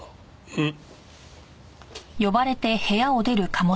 うん。